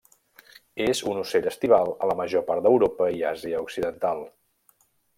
És un ocell estival a la major part d'Europa i Àsia Occidental.